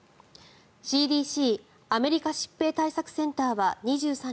ＣＤＣ・アメリカ疾病対策センターは２３日